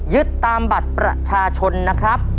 ยึดตามบัตรประชาชนนะครับ